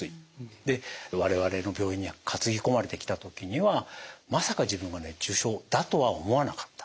で我々の病院に担ぎ込まれてきた時にはまさか自分が熱中症だとは思わなかった。